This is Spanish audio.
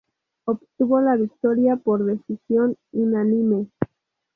Obtuvo la victoria por decisión unánime.